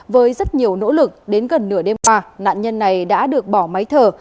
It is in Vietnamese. với rất nhiều nỗ lực đến gần nửa đêm qua nạn nhân này đã được bỏ máy thở